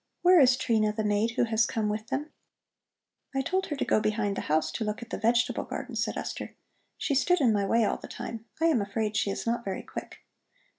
Where is Trina, the maid, who has come with them?" "I told her to go behind the house to look at the vegetable garden," said Esther. "She stood in my way all the time. I am afraid she is not very quick."